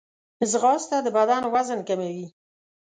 ځغاسته د بدن وزن کموي